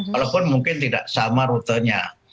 walaupun mungkin tidak sama rutenya